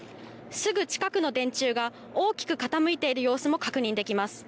すぐ近くの電柱が大きく傾いている様子も確認できます。